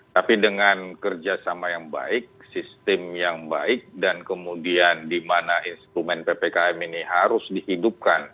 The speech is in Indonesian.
tapi dengan kerjasama yang baik sistem yang baik dan kemudian di mana instrumen ppkm ini harus dihidupkan